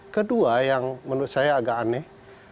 kedua yang menurut saya agak aneh